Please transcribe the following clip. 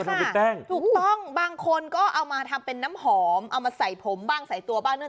ถูกต้องถูกต้องบางคนก็เอามาทำเป็นน้ำหอมเอามาใส่ผมบ้างใส่ตัวบ้างเนื